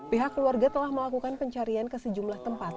pihak keluarga telah melakukan pencarian ke sejumlah tempat